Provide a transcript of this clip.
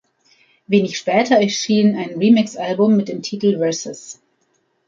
Wenig später erschien ein Remix–Album mit dem Titel "Versus".